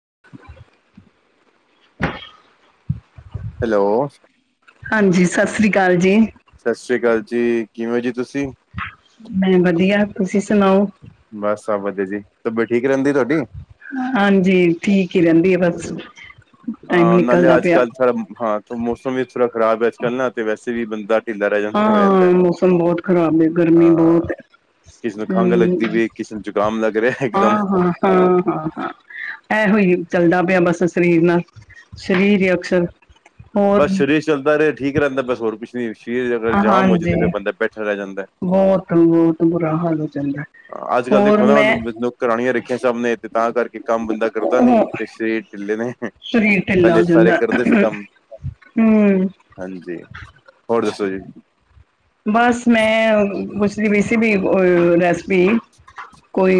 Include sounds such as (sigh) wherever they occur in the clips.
(inaudible) (inaudible) Hello ਹਾਂਜੀ ਸਤਿ ਸ੍ਰੀ ਅਕਾਲ ਜੀ ਸਤਿ ਸ੍ਰੀ ਅਕਾਲ ਜੀ ਕਿਵੇਂ ਜੀ ਤੁਸੀਂ ਮੈਂ ਵਧੀਆ ਤੁਸੀਂ ਸੁਣਾਓ ਬਸ ਸਭ ਵਧੀਆ ਜੀ ਤਬੀਅਤ ਠੀਕ ਰਹਿੰਦੀ ਤੁਹਾਡੀ ਹਾਂਜੀ ਠੀਕ ਹੀ ਰਹਿੰਦੀ ਆ ਬਸ ਹ ਹਾਂ ਨਾਲੇ ਅੱਜ ਕੱਲ੍ਹ ਹਾਂ ਮੌਸਮ ਵੀ ਥੋੜਾ ਖ਼ਰਾਬ ਹੈ ਅੱਜ ਕੱਲ੍ਹ ਨਾ ਤੇ ਵੈਸੇ ਵੀ ਬੰਦਾ ਢਿੱਲਾ ਰਹਿ ਜਾਂਦਾ ਹੋ ਹਾਂ ਜਾਂਦਾ ਹੈ। ਮੌਸਮ ਬਹੁਤ ਖ਼ਰਾਬ ਗਰਮੀ ਬਹੁਤ ਹਾਂ ਕਿਸੇ ਨੂੰ ਹੈ ਖੰਘ ਲੱਗਦੀ ਵੀ ਕਿਸੇ ਨੂੰ ਜ਼ੁਕਾਮ ਲੱਗ ਰਿਹਾ ਇੱਕਦਮ ਹਮ ਹਾਂ ਹਾਂ ਹਾਂ ਹਾਂ ਹਾਂ ਇਹੋ ਹੀ ਚੱਲਦਾ ਪਿਆ ਬਸ ਸਰੀਰ ਨਾਲ ਸਰੀਰ ਹੀ ਅਕਸਰ ਹੋਰ ਬਸ ਸਰੀਰ ਚੱਲਦਾ ਰਹੇ ਠੀਕ ਰਹਿੰਦਾ ਬਸ ਹੋਰ ਕੁ ਨੀ ਸਰੀਰ ਅਗਰ ਜਾਮ ਹੋ ਜਾਏ ਹਾਂਜੀ ਤੇ ਫਿਰ ਬੰਦਾ ਬੈਠਾ ਰਹਿ ਜਾਂਦਾ ਬਹੁਤ ਬਹੁਤ ਬੁਰਾ ਹਾਲ ਹੋ ਜਾਂਦਾ ਅੱਜ ਕੱਲ੍ਹ ਹੋਰ ਦੇਖੋ ਨਾ ਮੈਂ ਹੁਣ ਨੌਕਰਾਂ ਰੀਆਂ ਸ ਨੇ (unintelligible) ਤੇ ਤਾਂ ਕਰਕੇ ਕੰਮ ਬੰਦਾ ਕਰਦਾ ਨੀ ਉਹ ਤੇ ਸਰੀਰ ਢਿੱਲੇ ਨੇ ਸਰੀਰ ਢਿੱਲਾ ਹੋ ਪਹਿਲੇ ਸਾਰੇ ਜਾਂਦਾ ਕਰਦੇ ਸੀ ਕੰਮ ਹਮ ਹਾਂਜੀ ਹੋਰ ਦੱਸੋ ਜੀ ਬਸ ਮੈਂ ਪੁੱਛਦੀ ਪਈ ਸੀ ਵੀ ਹੋੈ (unintelligible) ਵੀ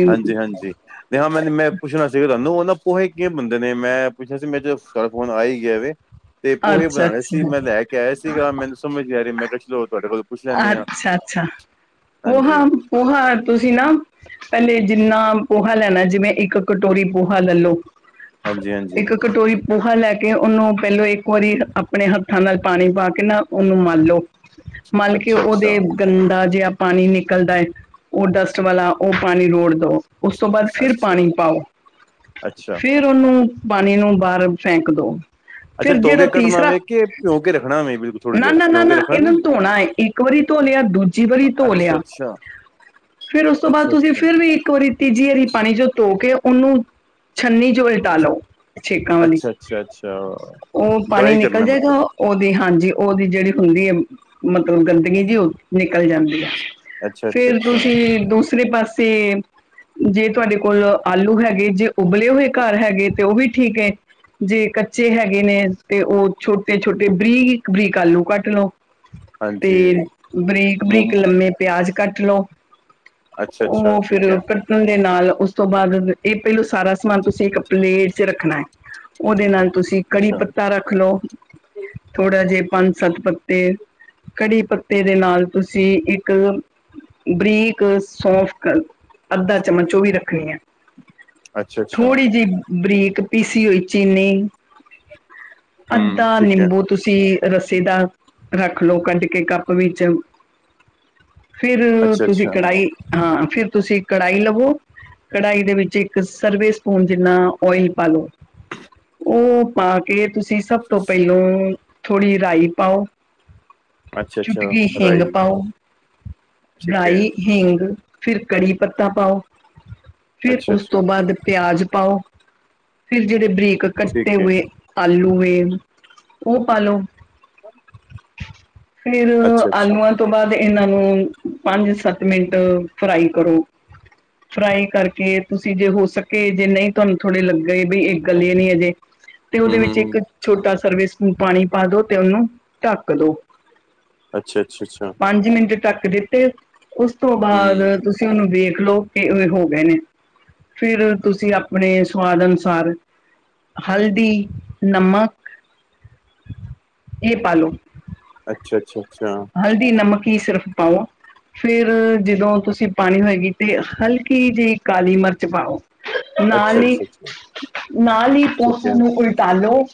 ਹਾਂਜੀ ਹਾਂਜੀ ਨ ਹਾਂ ਮੈਨੂੰ ਮੈਂ ਪੁੱਛਣਾ ਸੀਗਾ ਤੁਹਾਨੂੰ ਉਹ ਪੋਹੇ ਕਿਵੇ ਬੰਦੇ ਨੇ, ਮੈਂ ਪੁੱਛਿਆ ਸੀ ਮੇਰੇ ਚਾ ਫੋਨ ਆ ਹੀ ਗਿਆ ਵੈ। ਤੇ ਪੋਹੇ ਬਣਾਉਣੇ ਸੀ, ਮੈਂ ਲੈ ਕੇ ਆਇਆ ਸੀਗਾ, ਮੈਨੂੰ ਸਮਝ ਯ ਮੈਂ (unintelligible) ਲੈਂਦੇ ਆ ਅੱਛਾ-ਅੱਛਾ, ਹਾਂਜੀ, ਪੋਹਾ-ਪੋਹਾ ਤੁਸੀਂ ਨਾ ਪਹਿਲੇ ਜਿੰਨਾ ਪੋਹਾ ਲੈਣਾ ਜਿਵੇਂ ਇੱਕ ਕਟੋਰੀ ਪੋਹਾ ਲੈ ਲਓ ਹਾਂਜੀ- ਹਾਂਜੀ! ਪੌਹਾ ਲੈ ਕੇ ਉਹਨੂੰ ਪਹਿਲੋਂ ਇੱਕ ਵਾਰੀ ਆਪਣੇ ਹੱਥਾਂ ਨਾਲ ਪਾਣੀ ਪਾ ਕੇ ਨਾ ਉਹਨੂੰ ਮੰਲ ਲੋ ਮਤਲਬ ਕੇ ਉਹਦੇ ਅੱਛਾ-ਅੱਛਾ, ਗੰ ਦਾ ਜੇਹਾ ਪਾਣੀ ਨਿਕਲਦਾ ਹੈ ਉਹ ਡਸਟ ਵਾਲਾ ਉਹ ਪਾਣੀ ਰੋੜ ਦੋ ਉਸ ਤੋਂ ਬਾਅਦ ਫਿਰ ਅੱਛਾ, ਪਾਣੀ ਪਾਓ ਅੱਛਾ। ਫਿਰ ਉਹਨੂੰ ਪਾਣੀ ਨੂੰ ਬਾਹਰ ਫੈਂਕ ਦੋ ਅੱਛਾ ਧੋ ਕੇ ਕੱਢਨਾ ਵੇ ਕੇ, ਪਿੰਔ ਕੇ ਰੱਖਣਾ ਵੇ ਵਿ ਥੋੜ੍ਹੀ ਨਾ ਦੇਰ ਨਾ ਨਾ ਪਿੰਔ ਕੇ ਨਾ ਰੱਖਣਾ ਨਹੀਂ। ਇਹਨਾਂ ਨੂੰ ਧੋਣਾ ਏ, ਇੱਕ ਵਾਰੀ ਧੋ ਲਿਆ ਦੂਜੀ ਵਾਰੀ ਧੋ ਲਿਆ, ਅੱਛਾ-ਅੱਛਾ, ਫਿਰ ਉਸ ਤੋਂ ਬਾਅਦ ਤੁਸੀਂ ਅੱਛਾ-ਅੱਛਾ, ਅੱਛਾ-ਅੱਛਾ, ਫਿਰ ਵੀ ਇੱਕ ਵਾਰੀ ਤੀਜੀ ਹਾਰੀ ਪਾਣੀ ਜੋ ਧੋ ਕੇ ਉਹਨੂੰ ਛੰਨੀ ਜੋ ਲਟਾਾਲੋ। ਛੇਕਾਂ ਵਾਲੀ, ਅੱਛਾ ਅੱਛਾ ਅੱਛਾ ਅੱਛਾ ਔਹ ਪਾਣੀ ਡਰਾਈ ਨਿਕਲ ਕਰਨਾ ਜਾਏਗਾ ਮਤਲਬ ਉਹਦੀ ਹਾਂਜੀ ਉਹਦੀ ਜਿਹੜੀ ਹੁੰਦੀ ਏ ਮਤਲਬ ਗੰਦਗੀ ਜਿ ਉਹ ਨਿਕਲ ਜਾਂਦੀ ਆ। ਅੱਛਾ-ਅੱਛਾ, ਫੇਰ ਅੱਛਾ ਅੱਛਾ ਤੁਸੀਂ ਦੂਸਰੇ ਪਾਸੇ ਜੇ ਤੁਹਾਡੇ ਕੋਲ ਆਲੂ ਹੈਗੇ ਜੇ ਉਬਲੇ ਹੋਏ ਘਰ ਹੈਗੇ ਤੇ ਉਹ ਵੀ ਠੀਕ ਹੈ, ਜੇ ਕੱਚੇ ਹੈਗੇ ਨੇ ਤੇ ਉਹ ਛੋਟੇ- ਛੋਟੇ, ਬਰੀਕ- ਬਰੀਕ ਆਲੂ ਕੱਟ ਲਓ। ਤੇ ਹਾਂਜੀ ਬਰੀਕ, ਬਰੀਕ ਲੰਮੇ ਪਿਆਜ ਕੱਟ ਲਓ। ਅੱਛਾ-ਅੱਛਾ ਉਹ ਠੀਕ ਫਿਰ ਐ ਕੱਟਣ ਦੇ ਨਾਲ ਉਸ ਤੋਂ ਬਾਅਦ ਇਹ ਪਹਿਲੋਂ ਸਾਰਾ ਸਮਾਨ ਤੁਸੀਂ ਪਲੇਟ ਚ ਰੱਖਣਾ। ਉਹਦੇ ਨਾਲ ਤੁਸੀਂ ਕੜੀ ਅੱਛਾ, ਪੱਤਾ ਰੱਖ ਲਓ, ਥੋੜਾ ਜਿ ਪੰਜ, ਸੱਤ ਪ ਫੇਰ ਕੜੀ ਪੱਤੇ ਦੇ ਨਾਲ ਤੁਸੀਂ ਇੱਕ, ਬਰੀਕ ਸੌਫ ਅੱਧਾ ਚਮਚ ਉਹ ਵੀ ਰੱਖਣੀ ਹੈ। ਅੱਛਾ-ਅੱਛਾ ਥੋੜੀ ਜਿਹੀ ਬਰੀਕ ਪੀਸੀ ਹੋਈ ਚੀਨੀ ਅੱਧਾ ਨਿੰਬੂ ਤੁਸੀਂ ਰੱਸੀ ਦਾ, ਰੱਖ ਲਓ ਕੱਢ ਕੇ ਕੱਪ ਵਿੱਚ ਫਿਰ ਤੁਸੀਂ ਕੜਾਹੀ ਹਾਂ। ਫਿਰ ਤੁਸੀਂ ਕੜਾਹੀ ਲਵੋ, ਕੜਾਹੀ ਦੇ ਵਿੱਚ ਇੱਕ ਸਰਵੇ ਸਪੂਨ ਜਿੰਨਾ ਔਇਲ ਪਾ ਲਓ ਉਹ ਪਾ ਕੇ ਤੁਸੀਂ ਸਭ ਤੋਂ ਪਹਿਲੋਂ ਥੋੜ੍ਹੀ ਰਾਈ ਪਾਓ ਚੁਟਕੀ ਹਿੰਗ ਪਾਓ, ਗਾਈ, ਹਿੰਗ ਫਿਰ ਕੜੀ ਪੱਤਾ ਪਾਓ। ਫੇਰ ਉਸ ਤੋਂ ਬਾਅਦ ਪਿਆਜ ਪਾਓ ਫਿਰ ਜਿਹੜੇ ਬਰੀਕ ਕੱਟੇ ਹੋਏ ਆਲੂ ਤੇ ਉਹ ਪਾਲੋ। (inaudible) ਫਿਰ ਆਲੂਆਂ ਤੋਂ ਬਾਅਦ ਇਹਨਾਂ ਨੂੰ ਪੰਜ ਸੱਤ ਮਿੰਟ ਫਰਾਈ ਕਰੋ, ਫਰਾਈ ਕਰਕੇ ਤੁਸੀਂ ਜੇ ਹੋ ਸਕੇ ਜੇ ਨਹੀਂ ਤੁਹਾਨੂੰ ਥੋੜ੍ਹੇ ਲੱਗੇ ਵੀ ਇੱਕ ਗੱਲੇ ਇਹ ਨਹੀਂ ਅਜੇ ਤੇ ਉਹਦੇ ਵਿੱਚ ਇੱਕ ਛੋਟਾ, ਸਰਵੇ ਸਪੂਨ ਪਾਣੀ ਪਾਦੋ ਤੇ ਉਹਨੂੰ ਢੱਕ ਦੋ। ਅੱਛਾ-ਅੱਛਾ-ਅੱਛਾ। ਪੰਜ ਮਿੰਟ ਢੱਕ ਦਿੱਤੇ ਉਸ ਤੋਂ ਬਾਅਦ ਤੁਸੀਂ ਉਹਨੂੰ ਫੇਰ ਦੇਖ ਲਓ ਕਿ ਇਹ ਹੋ ਗਏ ਨੇ ਫਿਰ ਤੁਸੀਂ ਆਪਣੇ ਸਵਾਦ ਅਨੁਸਾਰ ਹਲਦੀ, ਨਮਕ ਇਹ ਪਾ ਲੋ। ਅੱਛਾ-ਅੱਛਾ। ਹਲਦੀ, ਨਮਕ। ਕੀ ਸਿਰਫ ਪਾਓ ਫਿਰ ਜਦੋਂ ਤੁਸੀਂ ਪਾਣੀ ਹੋਏਗੀ ਤੇ ਹਲਕੀ ਜਿਹੀ ਕਾਲੀ ਮਿਰਚ ਪਾਓ। ਨਾਲ ਈ ਨਾਲ ਈ ਪੋਹਾ ਨੂੰ ਉਲਟਾ ਲੋ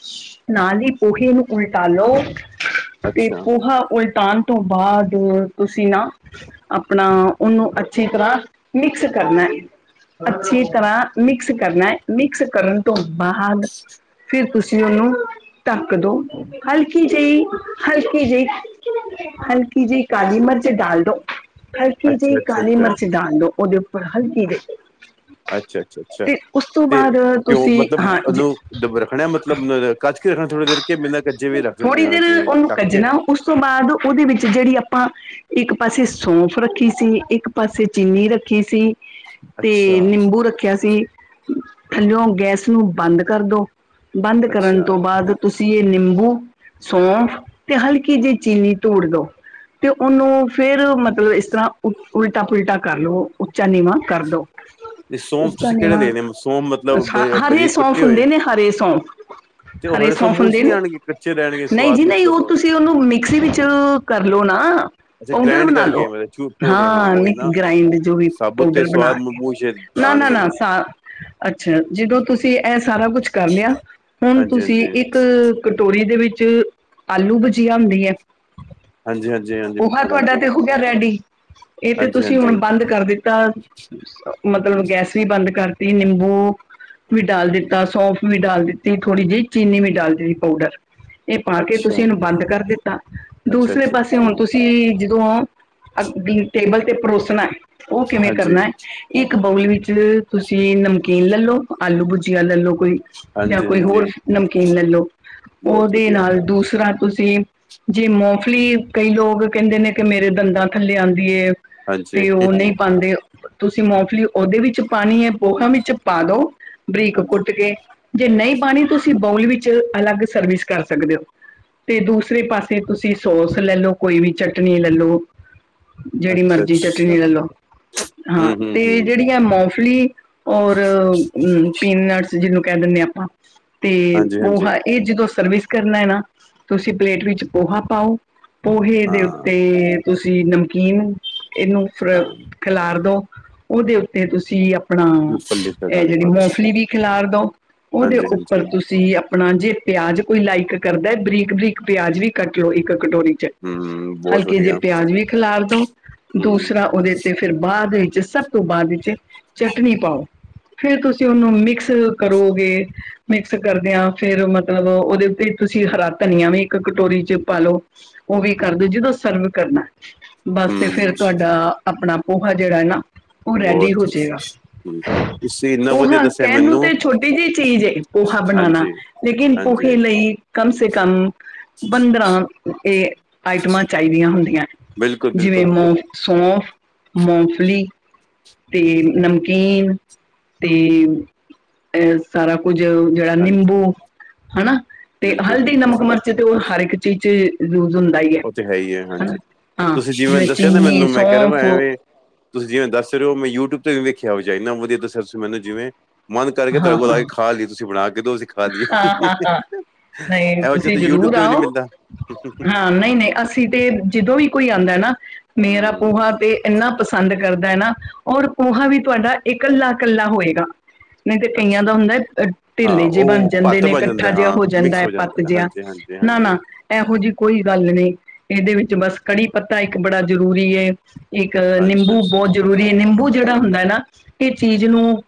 ਨਾਲ ਈ। ਉਹੀ ਨੂੰ ਉਲਟਾ ਲੌ। ਤੇ ਅੱਛਾ, ਪੋਹਾ ਉਲ ਟਣ ਤੋਂ ਬਾਅਦ ਤੁਸੀਂ ਨਾ ਆਪਣਾ ਉਹਨੂੰ ਅੱਛੀ ਤਰ੍ਹਾਂ ਮਿਕਸ ਕਰਨਾ, ਅੱਛੀ ਤਰ੍ਹਾਂ ਮਿਕਸ ਕਰਨਾ ਹੈ ਮਿਕਸ ਕਰਨ ਤੋਂ ਬਾਅਦ ਫਿਰ ਤੁਸੀਂ ਉਹਨੂੰ ਢੱਕ ਦੋ ਹਲਕੀ ਜਿਹੀ ਹਲਕੀ ਜਿਹੀ ਹਲਕੀ ਜਿਹੀ ਕਾਲੀ ਮਿਰਚ ਡਾਲ ਦੋ। ਹਲਕਿ ਅੱਛਾ, ਜੀ ਅੱਛਾ, ਕਾਲੀ ਅੱਛਾ। ਮਿਰਚ ਦਾਲ ਦੋ ਉਹਦੇ ਉੱਪਰ ਹਲਕੀ ਜੀ ਅੱਛਾ, ਅੱਛਾ, ਅੱਛਾ ਤੇ ਉਸ ਤੋਂ ਤੇ ਬਾਅਦ ਪਿਓ ਤੁਸੀਂ ਮਤਲਬ ਹਾਂ ਜ ਉਹਨੂੰ ਦਬ ਰੱਖਣਾ ਹੈ, ਮਤਲਬ ਨ ਕੱਜ ਕੇ ਰੱਖਣਾ ਥੋੜੀ ਦੇਰ ਕੇ ਬਿਨਾਂ ਕੱਜੇ ਵੀ ਰੱਖ ਸਕਦੇ ਥੋੜ੍ਹੀ ਹਾਂ ਦੇਰ ਜਿਵੇਂ ਉਹਨੂੰ ਢੱਕ ਕੇ? ਕੱਜਣਾ, ਉਸ ਤੋਂ ਬਾਅਦ ਉਹਦੇ ਵਿੱਚ ਜਿਹੜੀ ਆਪਾਂ ਇੱਕ ਇੱਕ ਪਾਸੇ ਸੌਂਫ ਰੱਖੀ ਸੀ, ਇੱਕ ਪਾਸੇ ਚੀਨੀ ਰੱਖੀ ਸੀ। ਤੇ ਅੱਛਾ, ਨਿੰਬੂ ਰੱਖਿਆ ਸੀ। ਥੱਲਿਓ ਗੈਸ ਨੂੰ ਬੰਦ ਕਰਦੋ। ਬੰਦ ਕਰਨ ਅੱਛਾ ਤੋਂ ਬਾਅਦ ਤੁਸੀਂ ਇਹ ਨਿੰਬੂ, ਸੌਂਫ ਤੇ ਹਲਕੀ ਜਿਹੀ ਚੀਨੀ ਤੋੜ ਦੋ ਤੇ ਉਹਨੂੰ ਫੇਰ ਮਤਲਬ ਇਸ ਤਰ੍ਹਾਂ ਉ ਉਲਟਾ ਪੁਲਟਾ ਕਰ ਲਉ ਉੱਚਾ ਨੀਵਾਂ ਕਰਦੋ। ਤੇ ਸੌਂਫ ਉੱਚਾ ਤੁਸੀਂ ਕਿਹੜੇ ਨੀਵਾਂ ਲੈਣੇ ਸੌਂਫ ਮਤਲਬ ਬ ਹਰੇ ਬਰੀਕ ਸੌਂਫ ਕੁੱਟੇ ਹੋਏ? ਹੁੰਦੇ ਨੇ ਹਰੇ ਸੌਂਫ। ਤੇ ਉਹ ਹਰੇ ਸੌਂਫ ਮੂੰਹ ਸੌਂਫਨ 'ਚ ਦੇ ਨਹੀਂ ਨੂੰ ਆਣਗੇ ਕੱਚੇ ਰਹਿਣਗੇ ਨਹੀਂ ਜੀ ਸਵਾਦ ਨਹੀਂ। ਉਹ ਮਤਲਬ ਤੁਸੀਂ ਉਹਨੂੰ ਮਿਕਸੀ ਵਿੱਚ ਕਰ ਲਓ ਨਾ ਅੱਛਾ ਪਾਊਡਰ ਗ੍ਰਾਇੰਡ ਬਣਾ ਕਰਕੇ ਲਓ ਮਤਲਬ ਚੂ ਪਾਊਡਰ ਹਾਂ ਉਹੀ ਮਿ ਨਾ ਗ੍ਰਾਇੰਡ ਜੋ ਵੀ ਸਾਬੁਤ ਤੇ ਪਾਊਡਰ ਬਣਾ ਸਵਾਦ ਕੇ। ਮੂੰਹ ਚ ਨਾ, ਨਾ, ਆਣਗੇ ਨਾ। ਸਾ ਅੱਛਾ ਜਦੋਂ ਤੁਸੀਂ ਇਹ ਸਾਰਾ ਕੁਛ ਕਰ ਲਿਆ ਹੁਣ ਹਾਂਜੀ ਤੁਸੀਂ ਹਾਂਜੀ ਇੱਕ ਕਟੋਰੀ ਦੇ ਵਿੱਚ ਜ ਆਲੂ ਵਜੀਆ ਹੁੰਦੀ ਹੈ। ਹਾਂਜੀ ਹਾਂਜੀ ਹਾਂਜੀ ਪੋਹਾ ਬਿਲਕੁਲ ਤੁਹਾਡਾ ਆਂਦੀ ਹੈ ਤੇ ਹੋ ਗਿਆ ਰੈਡੀ। ਇਹ ਤੇ ਹਾਂਜੀ ਤੁਸੀਂ ਹੁਣ ਹਾਂਜੀ ਬੰਦ ਕਰ ਦਿੱਤਾ ਮਤਲਬ ਗੈਸ ਵੀ ਬੰਦ ਕਰ ਨਿੰਬੂ ਵੀ ਡਾਲ ਦਿੱਤਾ। ਸੌਫ ਵੀ ਡਾਲ ਦਿੱਤੀ। ਥੋੜ੍ਹੀ ਜਿਹੀ ਚੀਨੀ ਵੀ ਡਾਲ ਦੀ ਪਾਊਡਰ। ਇਹ ਪਾ ਕੇ ਤੁਸੀਂ ਅੱਛਾ ਇਹਨੂੰ ਬੰਦ ਕਰ ਦਿੱਤਾ। ਅੱਛਾ ਦੂਸਰੇ ਅੱਛਾ ਪਾਸੇ ਅੱਛਾ ਹੁਣ ਤੁਸੀਂ ਹੂੰ, ਟੇਬਲ ਤੇ ਪਰੋਸਣਾ ਹੈ। ਉਹ ਕਿਵੇਂ ਹਾਂਜੀ ਕਰਨਾ। ਇੱਕ ਕੋਲੀ ਵਿੱਚ ਤੁਸ ਈ ਨਮਕੀਨ ਲਲੋ। ਆਲੂ ਭੁਜੀਆ ਲੈ ਲਓ ਕੋਈ। ਜਾਂ ਹਾਂਜੀ ਕੋਈ ਹਾਂਜੀ ਹੋਰ ਨਮਕੀਨ ਲੈ ਲਉ ਬਹੁਤ ਉਹਦੇ ਵਧੀਆ ਨਾਲ ਦੂਸਰੇ ਤਾਂ ਤੁਸੀਂ ਜੇ ਮੋਫਲੀ ਕਈ ਲੋਕ ਕਹਿੰਦੇ ਨੇ ਕਿ ਮੇਰੇ ਦੰਦਾਂ ਥੱਲੇ ਆਉਂਦੀ ਐ। ਹਾਂਜੀ ਤੇ ਉਹ ਨਹੀਂ ਹਾਂਜੀ ਪਾਂਦੇ। ਤੁਸੀਂ ਮੌ ਉਹਦੇ ਵਿੱਚ ਪਾਣੀ ਹੈ। ਪੋਹਾ ਵਿੱਚ ਪਾ ਦਉ। ਬਰੀਕ ਅੱਛਾ ਕੁੱਟ ਕੇ ਜੇ ਨਹੀਂ ਪਾਣੀ ਤੁਸੀਂ ਤੁਸੀਂ ਬੋਲ ਵਿੱਚ ਅਲੱਗ ਸਰਵਿਸ ਕਰ ਸਕਦੇ ਹੋ ਤੇ ਦੂਸਰੇ ਪਾਸੇ ਤੁਸੀਂ ਸੋਸ ਲੈ ਲਓ ਕੋਈ ਵੀ ਚਟਨੀ ਲੈ ਲਓ। ਜਿਹੜੀ ਅੱਛਾ ਮਰਜ਼ੀ ਚਟਣੀ ਅੱਛਾ ਲੈ ਲੋ ਹਾਂ ਹੂੰ ਹੂੰ ਤੇ ਹੂੰ ਜਿਹੜੀਆਂ ਮੋ ਫਲੀ ਔਰ ਪੀਨਟਸ। ਜਿਹਨੂੰ ਕਹਿ ਦਿਨੇ ਆਪਾਂ। ਤੇ ਹਾਂਜੀ ਉਹ ਹਾਂਜੀ ਹ ਇਹ ਜਦੋਂ ਸਰਵਿਸ ਕਰਨਾ ਨਾ ਤੁਸੀਂ ਪਲੇਟ ਵਿੱਚ ਪੋਹਾ ਪਾਓ। ਪੋਹੇ ਹਾਂ ਦੇ ਉੱਤੇ ਤੁਸੀਂ ਨਮਕੀਨ ਇਹਨੂੰ ਫਿਰ ਹਾਂ ਖਿਲਾਰ ਦੋ। ਉਹਦੇ ਉੱਤੇ ਤੁਸੀਂ। ਆਪਣਾ ਮੂੰਗਫਲੀ ਦੇ ਇਹ ਦਾਣੇ ਜਿਹੜੀ ਪਾ ਦੋ ਮੋਫਲੀ ਵੀ ਖਿਲਾਰ ਦੋ ਉਹਦੇ ਹਾਂਜੀ ਉੱਪ ਪਰ ਹਾਂਜੀ ਤੁਸੀਂ ਆਪਣਾ ਜੇ ਪਿਆਜ਼ ਕੋਈ ਲਾਈਕ ਕਰਦਾ ਬਰੀਕ ਬਰੀਕ ਪਿਆਜ਼ ਵੀ ਕੱਟ ਲਓ ਇੱਕ। ਕਟੋਰੀ ਚ ਹੂੰ ਬਹੁਤ ਹਲਕੇ ਜੇ ਵਧੀਆ ਪਿਆਜ ਵੀ ਖਿਲਾਰ ਦੋ ਹੂੰ ਦੂਸਰਾ ਉਹਦੇ ਤੇ ਫਿਰ ਬਾਅਦ ਵਿੱਚ ਸਭ ਤੋਂ ਬਾਅਦ ਵਿੱਚ ਚਟਨੀ ਪਾਓ ਫਰ ਤੁਸੀਂ ਉਹਨੂੰ ਮਿਕਸ ਕਰੋਗੇ। ਮਿਕਸ ਕਰਦੇਿਆਂ ਫਿਰ ਮਤਲਬ ਉਹਦੇ ਉੱਤੇ ਤੁਸੀਂ ਹਰਾ ਧਨੀਆ ਵੀ ਇੱਕ ਕਟੋਰੀ ਚ ਪਾ ਲਓ ਉਹ ਵੀ ਕਰ ਦਿਓ ਜਿਦੋਂ ਸਰਵ ਕਰਨਾ। ਬਸ ਤੇ ਫੇਰ ਹੂੰ ਤੁਹਾਡਾ ਆਪਣਾ ਪੋਹਾ ਜਿਹੜਾ ਨਾ ਉਹ ਰੈਡੀ ਹੋ ਬਹੁਤ ਜੇਗਾ ਤੁਸੀਂ ਇੰਨਾ ਵਧੀਆ ਪੋਹਾ ਦੱਸਿਆ ਕਹਿਣ ਨੂੰ ਮੈਨੂੰ ਤੇ ਛੋਟੀ ਜਿਹੀ ਚੀਜ਼ ਏ ਪੋਹਾ ਬਣਾਉਣਾ ਹਾਂਜੀ ਲੇਕਿਨ ਹਾਂਜੀ, ਪੋਹੇ ਲਈ ਕਮ ਸੇ ਕਮ ਬਦਰਾਂ। ਇਹ ਆਈਟਮਾਂ ਚਾਹੀਦੀਆਂ ਹੁੰਦੀਆਂ। ਜਿਵੇਂ ਬਿਲਕੁਲ-ਬਿਲਕੁਲ, ਮ ਸੋਫ ਮੂੰਫਲੀ ਤੇ ਨਮਕੀਨ ਤੇ ਅ ਸਾਰਾ ਕੁੱਝ ਜਿਹੜਾ ਨਿੰਬੂ ਹਾਂਜੀ, ਹਨਾ ਤੇ ਹਲਦੀ ਬਿਲਕੁਲ-ਬਿਲਕੁਲ, ਨਮਕ ਮਿਰਚ ਤੇ ਉਹ ਹਰ ਇੱਕ ਚੀਜ਼। ਯੂਜ ਹੁੰਦਾ ਹੀ ਉਹ ਤੇ ਹੈ ਹੀ ਹੈ ਹਨਾ ਹਾਂਜੀ ਹਾਂ ਤੁਸੀਂ ਜਿਵੇਂ ਦੱਸਿਆ ਨਾ ਚੀਨੀ ਮੈਨੂੰ ਮੈਂ ਕ ਸੌਂਫ ਐਵੇਂ ਤੁਸੀਂ ਜਿਵੇਂ ਦੱਸ ਚ ਮੈਂ ਯੂਟਿਊਬ ਵੀੇਖਿਆ ਹੋਵੇ ਇਨਾ ਵੀਆ ਦੱਸ ਤੁ ਮੈਨੂੰ ਜਿਵੇਂ ਮਨ ਕਰਕੇ ਤੜ ਹਾਂ ਕੋਲ ਲ ਹਾਂ ਕੇ ਖਾ ਲਈ ਤੁਸੀਂ ਬਣਾ ਕੇਸੀ ਖਾਏ ਹਾਂ ਹਾਂ ਹਾਂ ਨਹੀਂ ਇਹੋ ਤੁਸੀਂ ਜਿਹੇ ਯੂਟਿਊਬ ਤੇ ਵੀ ਨਹੀਂ ਮਿਲਦਾ। ਨੇ ਅਸੀਂ ਤੇ ਜਦੋਂ ਵੀ ਕੋਈ ਆਉਂਦਾ ਨਾ ਮੇਰਾ ਹੂੰ, ਪੂਹਾ ਤੇ ਇੰਨਾ ਪਸੰਦ ਪਸੰਦ ਕਰਦਾ ਹੈ ਨਾ ਔਰ ਪੋਹਾਾਂ ਵੀ ਤੁਹਾਡਾ ਇਕੱਲਾ ਇਕੱਲਾ ਹੋਏਗਾ। ਨਹੀਂ ਤੇ ਕਈਆਂ ਦਾ ਅੱਛਾ ਹੁੰਦਾ ਹਾਂ ਢਿੱਲੇ ਜੇ ਬਣ ਉਹ ਜਾਂਦੇ ਭੱਤ ਨੇ ਬਣ ਜਾਂਦਾ ਇਕੱਠਾ ਹੈ, ਜਿਹਾ ਹਾਂ ਹੋ ਜਾਂਦਾ ਮਿਕਸ ਹੈ ਪਤ ਜਿਹਾ ਨਾ ਨਾ ਹਾਂਜੀ-ਹਾਂਜੀ-ਹਾਂਜੀ, ਇਹੋ ਜਿਹੀ ਕੋਈ ਗੱਲ ਨਹੀਂ ਇਹਦੇ ਵਿੱਚ ਬਸ ਕੜੀ ਪੱਤਾ ਇੱਕ ਬੜਾ ਜ਼ਰੂਰੀ ਏ। ਇੱਕ ਨਿੰਬੂ ਹਾਂਜੀ-ਹਾਂਜੀ, ਬਹੁਤ ਜ਼ਰੂਰੀ ਏ ਨਿੰਬੂ ਜਿਹੜਾ ਹੁੰਦਾ ਨਾ ਇਹ ਚੀਜ਼ ਨੂੰ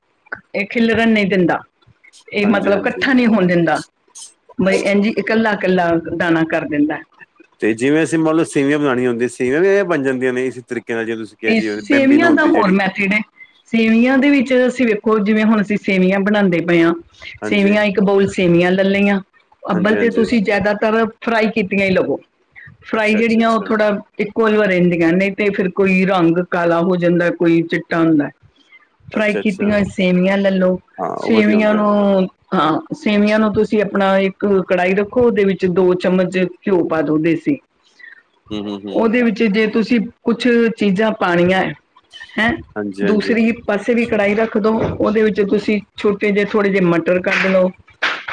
ਖਿਲਰਣ ਨਹੀਂ ਦਿੰਦਾ। ਇਹ ਮਤਲਬ ਹਾਂਜੀ-ਹਾਂਜੀ। ਇਕੱਠਾ ਨਹੀਂ ਹੋਣ ਦਿੰਦਾ, ਬਈ ਇੰਝੀ ਇਕੱਲਾ ਇਕੱਲਾ ਦਾਣਾ ਕਰ ਦਿੰਦਾ। ਤੇ ਜਿਵੇਂ ਅਸੀਂ ਮੰਨ ਲਓ ਸੇਵੀਆਂ ਬਣਾਣੀਆਂ ਹੁੰਦੀਆ ਸੀ। ਵੇ ਵੀ ਇਹ ਬਣ ਜਾਂਦੀਆਂ ਨੇ ਇਸੇ ਤਰੀਕੇ ਨਾਲ ਜਿਵੇਂ ਤੁਸੀਂ ਕਿਹਾ ਇਸ ਜੀ ਬੈਂਬੀਨੋ ਸੇਵੀਆਂ ਦਾ ਹੁੰਦੀ ਹੋਰ ਜਿਹੜੀ ਮੈਥਡ ਹੈ, ਸੇਵੀਆਂ ਦੇ ਵਿੱਚ ਤੁਸੀਂ ਵੇਖੋ ਜਿਵੇਂ ਹੁਣ ਅਸੀਂ ਸੇਵੀਆਂ ਬਣਾਂਦੇ ਪਏ ਆ ਹਾਂਜੀ। ਸੇਵੀਆਂ ਇੱਕ ਬਾਊਲ ਸੇਵੀਆਂ ਲੈ ਲਈਆਂ, ਅੱਬਲ ਤੇ ਹਾਂਜੀ-ਹਾਂਜੀ, ਤੁਸੀਂ ਜਿਆਦਾਤਰ ਫਰਾਈ ਕੀਤੀਆਂ ਹੀ ਲਵੋ। ਫਰਾਈ ਜਿਹੜੀਆਂ ਉਹ ਅੱਛਾ-ਅੱਛਾ-ਅੱਛਾ, ਥੋੜਾ ਇੱਕੋ ਜੇ ਵਾਰ ਰਹਿੰਦੀਆਂ ਨੇ। ਤੇ ਫਿਰ ਕੋਈ ਰੰਗ ਕਾਲਾ ਹੋ ਜਾਂਦਾ, ਕੋਈ ਚਿੱਟਾ ਹੁੰਦਾ। ਫਰਾਈ ਕੀਤੀਆਂ ਅੱਛਾ-ਅੱਛਾ, ਹੋਈ ਸੇਵੀਆਂ ਲੈਲੋ ਹਾਂ ਉਹ ਵਧੀਆ ਸੇਵੀਆਂ ਹੁੰਦਾ। ਨੂੰ ਹਾਂ ਸੇਵੀਆਂ ਨੂੰ ਤੁਸੀਂ ਆਪਣਾ ਇੱਕ ਕੜਾਹੀ ਰੱਖੋ, ਉਹਦੇ ਵਿੱਚ ਦੋ ਚਮਚ ਘਿਓ ਪਾ ਦੋ ਦੇਸੀ। ਹੂੰ, ਹੂੰ, ਹੂੰ। ਉਹਦੇ ਵਿੱਚ ਜੇ ਤੁਸੀਂ ਕੁਛ ਕੁਛ ਚੀਜ਼ਾਂ ਪਾਣੀਐ। ਹੈਂ ਹਾਂਜੀ-ਹਾਂਜੀ, ਦੂਸਰੀ ਹੀ ਪਾਸੇ ਵੀ ਕੜਾਹੀ ਰੱਖਦੋ। ਉਹਦੇ ਵਿੱਚ ਤੁਸੀਂ ਛੋਟੇ ਜਿਹੇ ਥੋੜੇ ਜਿਹੇ ਮਟਰ ਕੱਢ ਲਓ।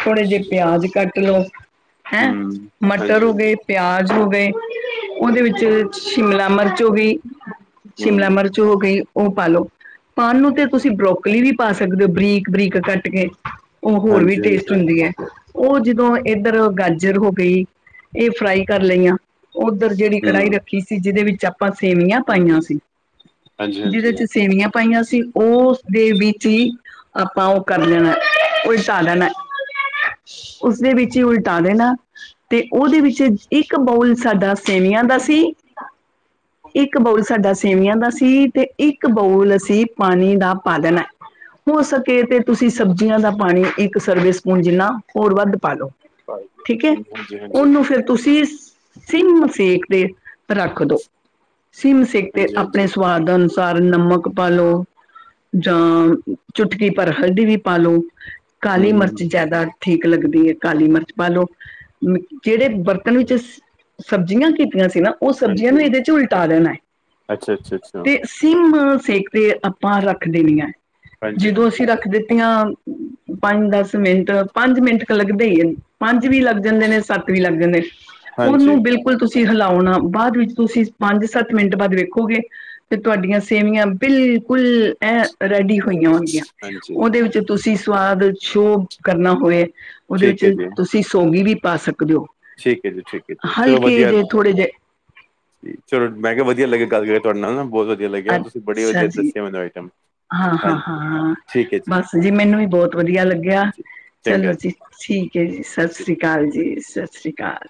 ਥੋੜੇ ਜਿਹੇ ਪਿਆਜ ਕੱਟ ਲੋ ਹੈਂ ਹੂੰ, ਮਟਰ ਹੋ ਹਾਂਜੀ-ਹਾਂਜੀ, ਗਏ ਪਿਆਜ ਹੋ ਗਏ ਉਹਦੇ ਵਿੱਚ ਸ਼ਿਮਲਾ ਮਿਰਚ ਜੋ ਵੀ ਸ਼ਿਮਲਾ ਹੂੰ, ਮਿਰਚ ਹੋ ਗਈ। ਉਹ ਪਾ ਲਓ ਪਾਣ ਨੂੰ ਤੇ ਤੁਸੀਂ ਬਰੋਕਲੀ ਵੀ ਪਾ ਸਕਦੇ ਹੋ ਬਰੀਕ -ਬਰੀਕ ਕੱਟ ਕੇ। ਉਹ ਹੋਰ ਵੀ ਟੇਸਟ ਹਾਂਜੀ-ਹਾਂਜੀ, ਹੁੰਦੀ ਐ। ਉਹ ਜਦੋਂ ਇੱਧਰ ਗਾਜਰ ਹੋ ਗਈ, ਇਹ ਫਰਾਈ ਕਰ ਲਈਆਂ। ਉੱਧਰ ਜਿਹੜੀ ਕੜਾਈ ਹੂੰ, ਹਾਂਜੀ-ਹਾਂਜੀ, ਰੱਖੀ ਸੀ ਜਿਹਦੇ ਵਿੱਚ ਆਪਾਂ ਸੇਵੀਆਂ ਪਾਈਆਂ ਸੀ, ਜਿਹਦੇ ਹਾਂਜੀ-ਹਾਂਜੀ, ਚ ਸੇਵੀਆਂ ਪਾਈਆਂ ਸੀ ਉਸਦੇ ਵਿੱਚ ਹੀ ਆਪਾਂ ਉਹ ਕਰ ਲੈਣਾ ਉਲਟਾ ਲੈਣਾ ਉਸਦੇ ਵਿੱਚ ਹੀ ਉਲਟਾ ਦੇਣਾ ਤੇ ਉਹਦੇ ਵਿੱਚ ਇੱਕ ਬੋਊਲ ਸਾਡਾ ਸੇਵੀਆਂ ਦਾ ਸੀ ਇੱਕ ਬਾਊਲ ਸਾਡਾ ਸੇਵੀਆਂ ਦਾ ਸੀ ਤੇ ਇੱਕ ਬਾਊਲ ਅਸੀਂ ਪਾਣੀ ਦਾ ਪਾ ਦੇਣਾ ਹੈ ਹੋ ਸਕੇ ਤੇ ਤੁਸੀਂ ਸਬਜ਼ੀਆਂ ਦਾ ਪਾਣੀ ਇੱਕ ਸਰਵੇ ਸਪੂਨ ਜਿੰਨਾ ਹੋਰ ਵੱਧ ਪਾ ਲਓ ਠੀਕ ਹੈ ਹਾਂਜੀ-ਹਾਂਜੀ, ਉਹਨੂੰ ਫੇਿਰ ਤੁਸੀਂ ਸਿਮ ਸੇਖ ਰੱਖ ਦੋ ਸਿਮ ਸਿੱਕ ਤੇ ਆਪਣੇ ਹਾਂਜੀ-ਹਾਂਜੀ, ਸਵਾਦ ਅਨੁਸਾਰ ਅਨੁਸਾਰ ਨਮਕ ਪਾਾਲੋ ਜਾਂ ਚੁਟਕੀ ਭਰ ਹਲਦੀ ਵੀ ਪਾਾਲਓ ਕਾਲੀ ਮਿਰਚ ਹੂੰ-ਹੂੰ-ਹੂੰ, ਜ਼ਿਆਦਾ ਠੀਕ ਲੱਗਦੀ ਹੈ ਕਾਲੀ ਮਿਰਚ ਪਾ ਲਓ ਜਿਹੜੇ ਬਰਤਨ ਵਿੱਚ ਸਬਜ਼ੀਆਂ ਕੀਤੀਆਂ ਸੀ ਨਾ ਉਹ ਸਬਜ਼ੀਆਂ ਹਾਂਜੀ, ਨੂੰ ਇਹਦੇ ਪਾਂ ਦੇਣਾ ਹੈ ਅੱਛਾ-ਅੱਛਾ-ਅੱਛਾ, ਤੇ ਸੀਮ ਸੇਕ ਦੇ ਆਪਾਂ ਰੱਖਦੇ ਨੀ ਹ ਜਦੋਂ ਹਾਂਜੀ-ਹਾਂਜੀ, ਅਸੀਂ ਰੱਖ ਦਿੱਤੀਆਂ ਪੰਜ ਦਸ ਮਿੰਟ ਪੰਜ ਮਿੰਟ ਲੱਗਦੇ ਹੀ ਪੰਜ ਵੀ ਲੱਗ ਜਾਂਦੇ ਨੇ ਸੱਤ ਵੀ ਲੱਗ ਜਾਂਦੇ ਉਹਨੂੰ ਹਾਂਜੀ-ਹਾਂਜੀ, ਬਿਲਕੁਲ ਤੁਸੀਂ ਤੁਸੀਂ ਹਿਲਾਉਣਾ ਬਾਅਦ ਵਿੱਚ ਤੁਸੀਂ ਪੰਜ ਸੱਤ ਮਿੰਟ ਬਾਅਦ ਵੇਖੋਗੇ ਤੇ ਤੁਹਾਡੀਆਂ ਸੇਵੀਆਂ ਬਿਲਕੁਲ ਐ ਰੈਡੀ ਹੋਈਆਂ ਹੋਣਗੀਆਂ ਉਹਦੇ ਵਿੱਚ ਤੁਸੀਂ ਬਾਦ ਚ ਸ਼ੋਅ ਕਰਨਾ ਹੋਵੇ ਉਹਦੇ ਵਿੱਚ ਠੀਕ ਹੈ ਜੀ, ਤੁਸੀਂ ਸੌਗੀ ਵੀ ਪਾ ਸਕਦੇ ਦੋ ਠੀਕ ਹੈ ਜੀ, ਠੀਕ ਹੈ ਜੀ, ਚਲੋ ਹਲਕੇ ਵਧੀਆ ਜਿਹੇ ਥੋੜੇ ਜਿਹੇ ਜੀ। ਚਲੋ ਮੈਂ ਕਿਹਾ ਵਧੀਆ ਲੱਗਿਆ ਗੱਲ ਕਰਕੇ ਤੁਹਾਡੇ ਨਾਲ ਨਾ ਬਹੁਤ ਵਧ ਅੱਛਾ ਜੀ ਹਾਂ ਹਾਂ ਹਾਂਜੀ, ਹਾਂ ਠੀਕ ਹੈ ਬਸ ਜੀ ਮੈਨੂੰ ਵੀ ਬਹੁਤ ਵਧੀਆ ਲੱਗਿਆ, ਜੀ ਚਲੋ ਚੰਗਾ ਜੀ ਠੀਕ ਏ ਜੀ ਸਤਿ ਸ੍ਰੀ ਅਕਾਲ ਜੀ ਸਤਿ ਸ਼੍ਰੀ ਅਕਾਲ